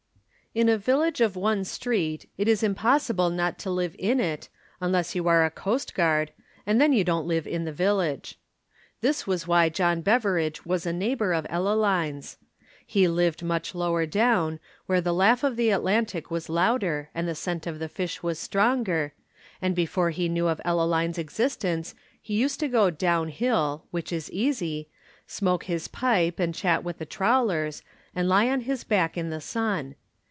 In a village of one street it is impossible not to live in it, unless you are a coastguard, and then you don't live in the village. This was why John Beveridge was a neighbor of Ellaline's. He lived much lower down, where the laugh of the Atlantic was louder and the scent of the fish was stronger, and before he knew of Ellaline's existence he used to go down hill (which is easy), smoke his pipe and chat with the trawlers, and lie on his back in the sun.